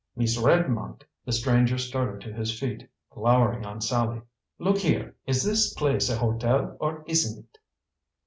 "Miss Redmond!" The stranger started to his feet, glowering on Sallie. "Look here! Is this place a hotel, or isn't it?"